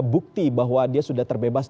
bukti bahwa dia sudah terbebas